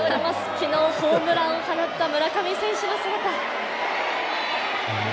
昨日、ホームランを放った村上選手の姿。